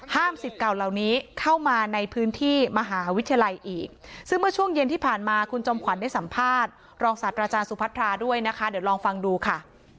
สิทธิ์เก่าเหล่านี้เข้ามาในพื้นที่มหาวิทยาลัยอีกซึ่งเมื่อช่วงเย็นที่ผ่านมาคุณจอมขวัญได้สัมภาษณ์รองศาสตราจารย์สุพัทราด้วยนะคะเดี๋ยวลองฟังดูค่ะ